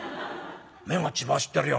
目が血走ってるよ。